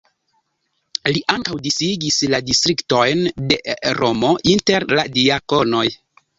Li ankaŭ disigis la distriktojn de Romo inter la diakonoj.